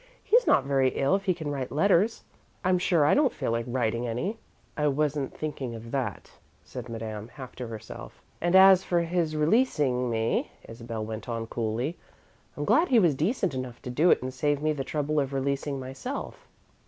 "He's not very ill if he can write letters. I'm sure I don't feel like writing any." "I wasn't thinking of that," said Madame, half to herself. "And as for his releasing me," Isabel went on, coolly, "I'm glad he was decent enough to do it and save me the trouble of releasing myself."